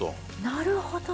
なるほど。